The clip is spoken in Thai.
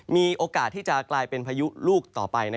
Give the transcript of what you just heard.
มีโอกาสที่จะกลายเป็นพายุลูกต่อไป